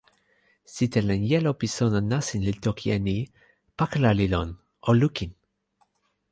sitelen jelo pi sona nasin li toki e ni: pakala li lon, o lukin!